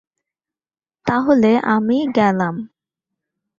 তাহলে, আমি গেলাম।